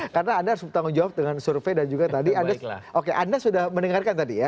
karena anda harus bertanggung jawab dengan survei dan juga tadi anda sudah mendengarkan tadi ya